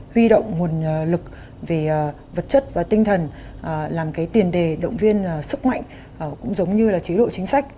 huy động nguồn lực về vật chất và tinh thần làm cái tiền đề động viên sức mạnh cũng giống như là chế độ chính sách